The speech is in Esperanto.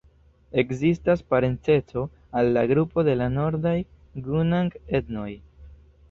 Ekzistas parenceco al la grupo de la nordaj gunang-etnoj.